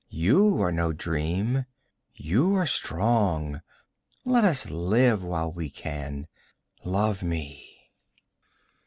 You are no dream. You are strong. Let us live while we can. Love me!'